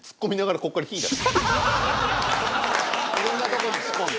いろんなとこに仕込んで。